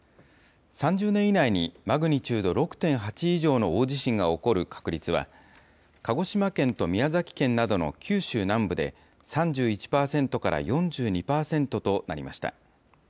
３０年以内にマグニチュード６．８以上の大地震が起こる確率は、鹿児島県と宮崎県などの九州南部で３１％から４２％となりました。